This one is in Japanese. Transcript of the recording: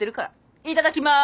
いただきます！